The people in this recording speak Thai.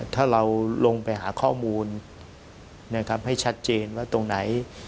ถ้าเราลงไปหาข้อมูลนะครับให้ชัดเจนว่าตรงไหน